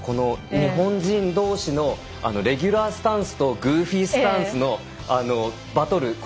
日本人どうしのレギュラースタンスとグーフィースタンスのバトル。